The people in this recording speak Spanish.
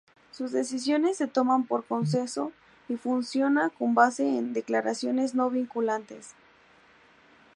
Sus decisiones se toman por consenso y funciona con base en declaraciones no vinculantes.